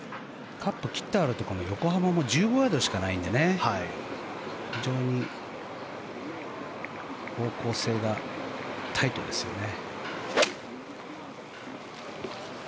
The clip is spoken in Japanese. カップ切ってあるところの横幅も１５ヤードしかないんで非常に方向性がタイトですよね。